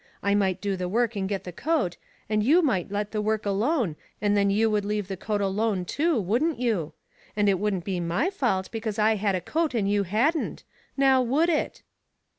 I might do the work and get the coat, and you might let the work alone, and then you would leave the coat alone too, wouldn't you ? And it wouldn't be my fault because I had a coat and you hadn't — now would it?